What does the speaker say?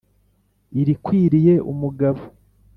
ilikwiliye umugabo